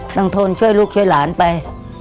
ทนช่วยลูกช่วยหลานไป